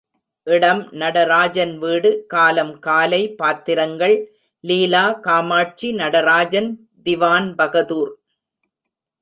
இடம் நடராஜன் வீடு காலம் காலை பாத்திரங்கள் லீலா காமாட்சி நடராஜன் திவான்பகதூர்.